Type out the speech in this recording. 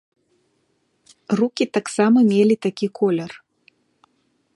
Рукі таксама мелі такі колер.